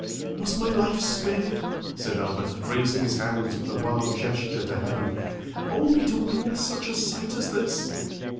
"Was my life spared," said Albert, raising his hands with a wild gesture to heaven, "only to witness such a sight as this!"